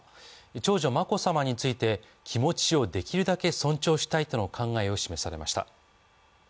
長女・眞子さまについて、気持ちをできるだけ尊重したいとの考えを示されました。